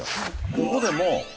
ここでも。